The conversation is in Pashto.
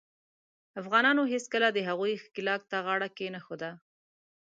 افغانانو هیڅکله د هغوي ښکیلاک ته غاړه کښېنښوده.